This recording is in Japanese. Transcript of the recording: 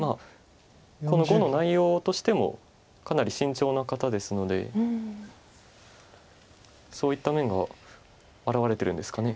この碁の内容としてもかなり慎重な方ですのでそういった面が表れてるんですかね。